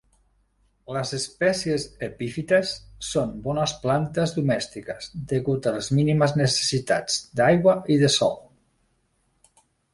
Les espècies epífites son bones plantes domèstiques degut a les mínimes necessitats d'aigua i de sòl.